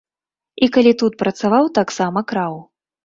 І калі тут працаваў, таксама краў.